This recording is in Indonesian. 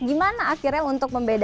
gimana akhirnya untuk membeli